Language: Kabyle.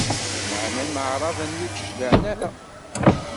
Lameɛna imeɛraḍen-nni ur d-cliɛen ara.